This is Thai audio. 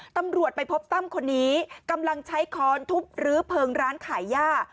ตำรวจไปพบตั้มคนนี้กำลังใช้ค้อนทุบรื้อเพลิงร้านขายย่า